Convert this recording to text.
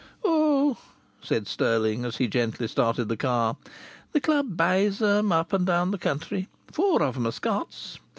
"Oh!" said Stirling as he gently started the car. "The club buys 'em, up and down the country. Four of 'em are Scots.